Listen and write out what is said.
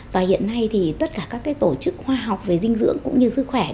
và hiện nay thì tất cả các tổ chức khoa học về dinh dưỡng cũng như sức khỏe